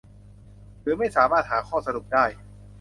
หรือไม่สามารถหาข้อสรุปได้